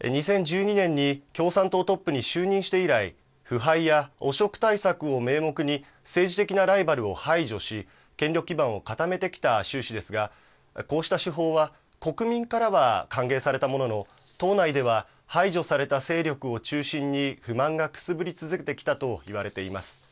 ２０１２年に共産党トップに就任して以来、腐敗や汚職対策を名目に政治的なライバルを排除し、権力基盤を固めてきた習氏ですが、こうした手法は、国民からは歓迎されたものの、党内では排除された勢力を中心に、不満がくすぶり続けてきたと言われています。